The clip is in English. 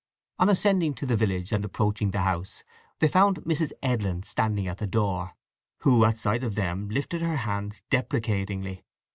On ascending to the village and approaching the house they found Mrs. Edlin standing at the door, who at sight of them lifted her hands deprecatingly.